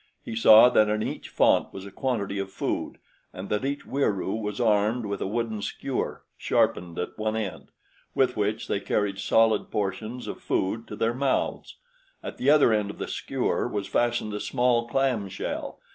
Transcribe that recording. He saw that in each font was a quantity of food, and that each Wieroo was armed with a wooden skewer, sharpened at one end; with which they carried solid portions of food to their mouths. At the other end of the skewer was fastened a small clam shell.